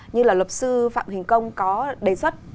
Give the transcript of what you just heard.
như là luật sư phạm hình công có đề xuất